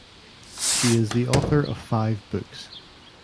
She is the author of five books.